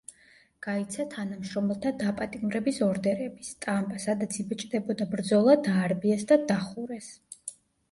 გაიცა თანამშრომელთა დაპატიმრების ორდერები, სტამბა, სადაც იბეჭდებოდა „ბრძოლა“ დაარბიეს და დახურეს.